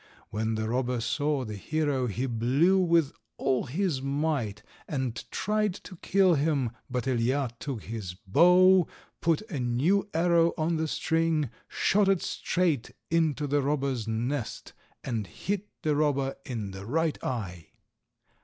When the robber saw the hero he blew with all his might and tried to kill him, but Ilija took his bow, put a new arrow on the string, shot it straight into the robber's nest, and hit the robber in the right eye.